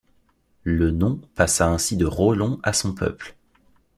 Le nom passa ainsi de Rollon à son peuple.